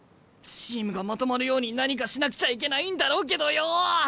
チームがまとまるように何かしなくちゃいけないんだろうけどよ！